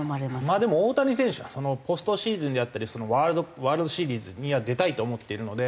まあでも大谷選手はポストシーズンであったりワールドシリーズには出たいと思っているので。